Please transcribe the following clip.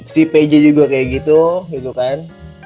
si pj juga kayak gitu gitu kan